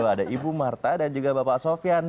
ada ibu marta dan juga bapak sofian